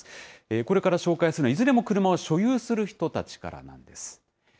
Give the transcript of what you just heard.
これから紹介するのは、いずれも車を所有する人たちからなんです。